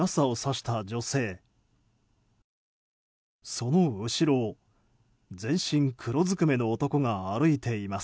その後ろを全身黒ずくめの男が歩いています。